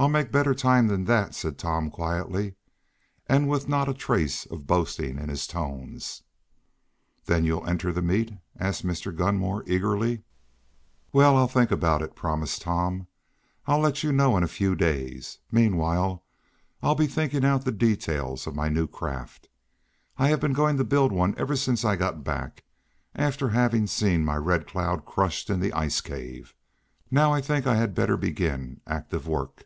"I'll make better time than that," said Tom quietly, and with not a trace of boasting in his tones. "Then you'll enter the meet?" asked Mr. Gunmore eagerly. "Well, I'll think about it," promised Tom. "I'll let you know in a few days. Meanwhile, I'll be thinking out the details for my new craft. I have been going to build one ever since I got back, after having seen my Red Cloud crushed in the ice cave. Now I think I had better begin active work."